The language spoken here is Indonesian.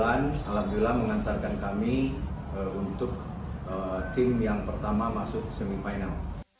alhamdulillah mengantarkan kami untuk tim yang pertama masuk semifinal